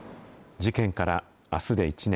事件からあすで１年。